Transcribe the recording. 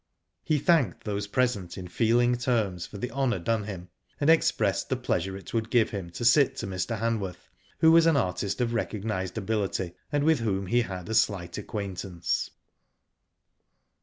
He thanked those present in feeling terms for the honour done him, and expressed the pleasure it would give him to sit to Mr. Hanworth, who was an artist of recognised ability, and with whom he had a slight acquaintance.